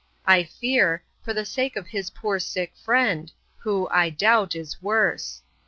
I fear, for the sake of his poor sick friend, who, I doubt, is worse.